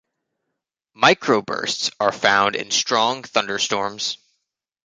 Microbursts are found in strong thunderstorms.